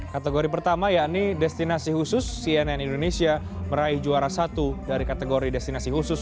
kategori pertama yakni destinasi khusus cnn indonesia meraih juara satu dari kategori destinasi khusus